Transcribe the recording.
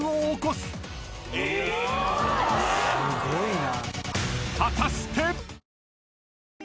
すごいな。